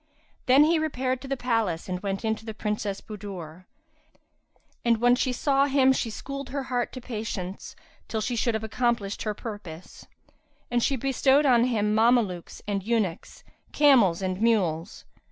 Then he repaired to the palace and went in to the Princess Budur; and when she saw him she schooled her heart to patience, till she should have accomplished her purpose; and she bestowed on him Mamelukes and eunuchs, camels and mules.